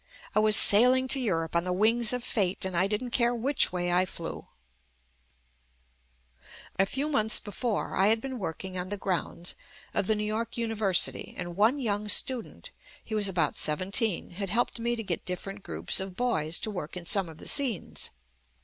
I was sailing to Europe on the wings of fate and I didn't care which way I flew. JUST ME A few months before I had been working on the grounds of the New York University and one young student (he was about seven teen) had helped me to get different groups of boys to work in some of the scenes.